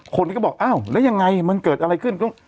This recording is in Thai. คนก็บอกอ้าวแล้วยังไงมันเกิดอะไรขึ้น